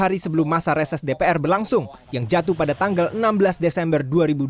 hari sebelum masa reses dpr berlangsung yang jatuh pada tanggal enam belas desember dua ribu dua puluh